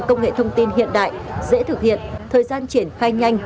công nghệ thông tin hiện đại dễ thực hiện thời gian triển khai nhanh